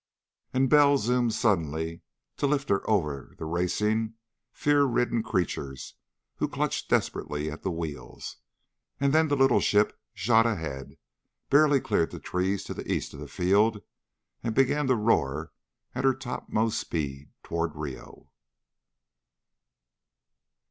And Bell zoomed suddenly to lift her over the racing, fear ridden creatures who clutched desperately at the wheels, and then the little ship shot ahead, barely cleared the trees to the east of the field, and began to roar at her topmost speed toward Rio.